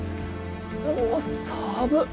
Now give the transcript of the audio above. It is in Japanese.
おお寒っ。